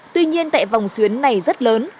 tuy nhiên tại vòng xuyến này rất lớn